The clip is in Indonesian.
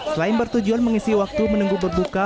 selain bertujuan mengisi waktu menunggu berbuka